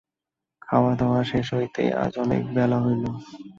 খাওয়াদাওয়া শেষ হইতে আজ অনেক বেলা হইল।